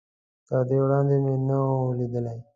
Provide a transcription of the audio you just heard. تر دې وړاندې مې نه و ليدلی.